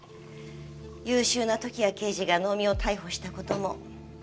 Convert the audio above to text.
優秀な時矢刑事が能見を逮捕した事も。